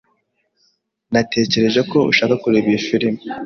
Natekereje ko ushaka kureba iyi firime.